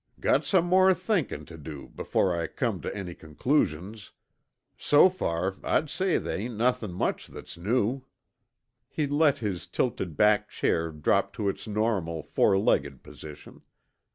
"Got some more thinkin' tuh do before I come tuh any conclusions. So far, I'd say they hain't nothin' much that's new." He let his tilted back chair drop to its normal four legged position.